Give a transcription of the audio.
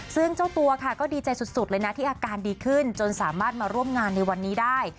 ซึ่งเจ้าตัวค่ะก็ดีใจสุดเลยนะที่อาการดีขึ้นจนสามารถมาร่วมงานในวันนี้ได้